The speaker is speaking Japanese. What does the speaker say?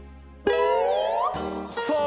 さあ